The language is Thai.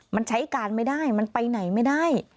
มันใช้การไม่ได้มันไปไหนไม่ได้